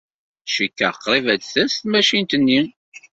Cikkeɣ qrib ad d-tas tmacint-nni.